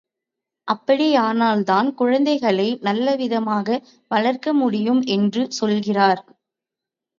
அப்படியானால்தான் குழந்தைகளை நல்லவிதமாக வளர்க்க முடியும் என்று சொல்லுகிறார்.